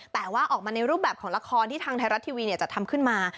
แต่ว่าออกมาในรูปแบบของละครที่ทางไทยรัฐทีวีจัดทำขึ้นมา